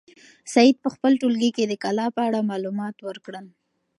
سعید په خپل ټولګي کې د کلا په اړه معلومات ورکړل.